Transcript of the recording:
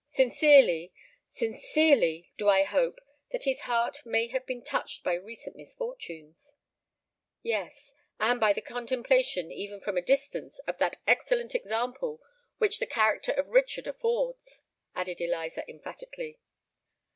Sincerely—sincerely do I hope that his heart may have been touched by recent misfortunes——" "Yes—and by the contemplation, even from a distance, of that excellent example which the character of Richard affords," added Eliza, emphatically.